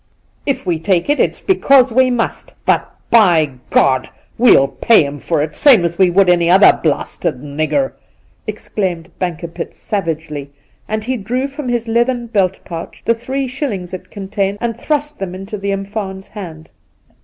'If we take it, it's because we must; but, by God! we'll pay him for it, same as we would any other blasted nigger!' exclaimed Bankerpitt savagely; and he drew from his leathern belt pouch the three shillings it contained and thrust them into the umfaan's hand.